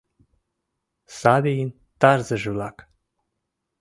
Савийын тарзыже-влак.